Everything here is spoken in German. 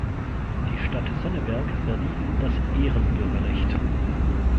Die Stadt Sonneberg verlieh ihm das Ehrenbürgerrecht.